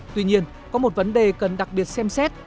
tuy nhiên có một vấn đề cần đặc biệt xem xét